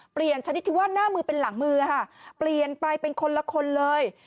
ชนิดที่ว่าหน้ามือเป็นหลังมือค่ะเปลี่ยนไปเป็นคนละคนเลย